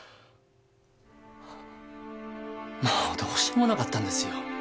もうどうしようもなかったんですよ